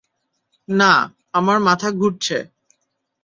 না, আমার মাথা ঘুরছে।